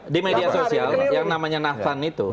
di media sosial yang namanya nafan itu